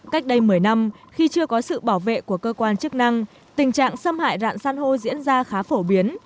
cách đây một mươi năm khi chưa có sự bảo vệ của cơ quan chức năng tình trạng xâm hại rạn san hô diễn ra khá phổ biến